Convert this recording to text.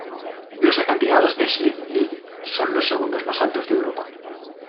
Los acantilados de Slieve League son los segundos más altos de Europa.